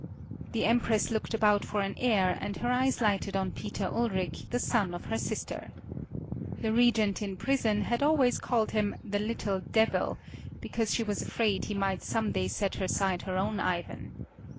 The Empress looked about for an heir and her eyes lighted on Peter Ulric, the son of her sister. The regent in prison had always called him "the little devil," because she was afraid he might some day set aside her own Ivan.